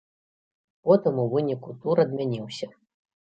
Потым, у выніку, тур адмяніўся.